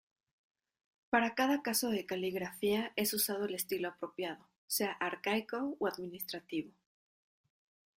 Para cada caso de caligrafía es usado el estilo apropiado, sea arcaico o administrativo.